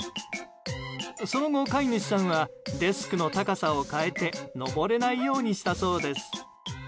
その後、飼い主さんがデスクの高さを変えて上れないようにしたそうです。